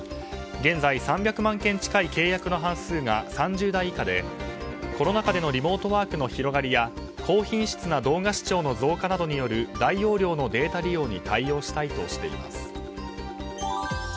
現在３００万件近い契約の半数が３０代以下で、コロナ禍でのリモートワークの広がりや高品質な動画視聴の増加などによる大容量のデータ利用に対応したいとしています。